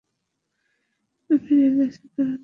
আমি রেগে আছি, কারণ আমি কষ্টে নেই।